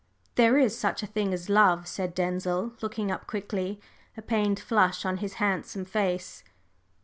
"There is such a thing as love!" said Denzil, looking up quickly, a pained flush on his handsome face.